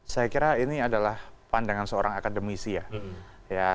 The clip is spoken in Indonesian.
saya kira ini adalah pandangan seorang akademisi ya